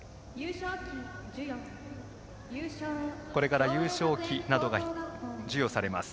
これから優勝旗などが授与されます。